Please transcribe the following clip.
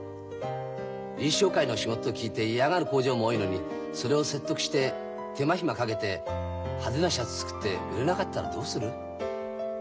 リーチ商会の仕事と聞いて嫌がる工場も多いのにそれを説得して手間暇かけて派手なシャツ作って売れなかったらどうする？